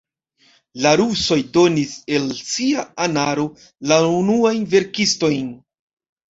La rusoj donis el sia anaro la unuajn verkistojn.